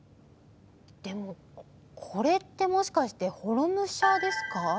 でもこれってもしかして母衣武者ですか？